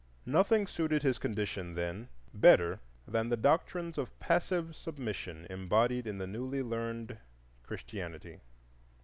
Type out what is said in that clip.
Nothing suited his condition then better than the doctrines of passive submission embodied in the newly learned Christianity.